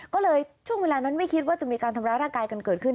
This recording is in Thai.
ก็เลยช่วงเวลานั้นไม่คิดว่าจะมีการทำร้ายร่างกายกันเกิดขึ้น